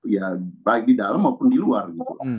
ya baik di dalam maupun di luar gitu